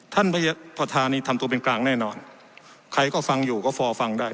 ท่านประธานีทำตัวเป็นกลางแน่นอนใครก็ฟังอยู่ก็พอฟังได้